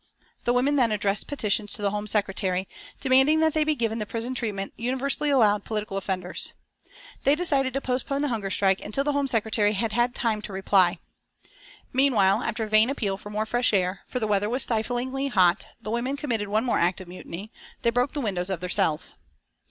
The women then addressed petitions to the Home Secretary, demanding that they be given the prison treatment universally allowed political offenders. They decided to postpone the hunger strike until the Home Secretary had had time to reply. Meanwhile, after a vain appeal for more fresh air, for the weather was stiflingly hot, the women committed one more act of mutiny, they broke the windows of their cells.